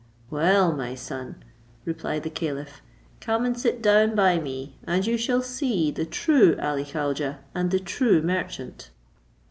"Well, my son," replied the caliph, "come and sit down by me, and you shall see the true Ali Khaujeh, and the true merchant."